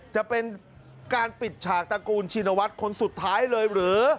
จะเป็นการปิดฉากตระกูลชินวัฒน์คนสุดท้ายเลยหรือ